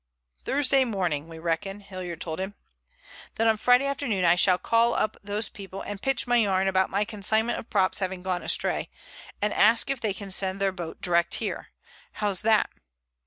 "Thursday morning, we reckon," Hilliard told him. "Then on Friday afternoon I shall call up those people and pitch my yarn about my consignment of props having gone astray, and ask if they can send their boat direct here. How's that?"